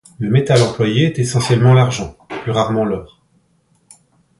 Le métal employé est essentiellement l'argent, plus rarement l'or.